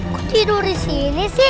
kok tidur disini sih